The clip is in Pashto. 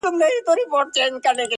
يوه ورځ پر اوداسه ناست پر گودر وو؛